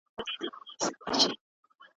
د بریا چانس یوازي مستحقو ته نه سي سپارل کېدلای.